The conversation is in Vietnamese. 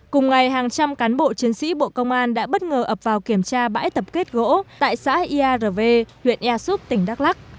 cùng ngày hàng trăm cán bộ chiến sĩ bộ công an đã bất ngờ ập vào kiểm tra bãi tập kết gỗ tại xã iav huyện ea súp tỉnh đắk lắc